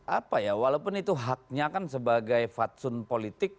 apa ya walaupun itu haknya kan sebagai fatsun politik